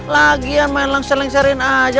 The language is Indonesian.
lagian main langsar langsarin aja